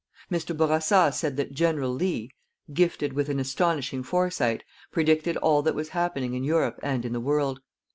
Mr. Bourassa said that General Lea, _gifted with an astonishing foresight, predicted all that was happening in Europe and in the world.